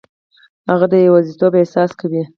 هغه د یوازیتوب احساس کوي.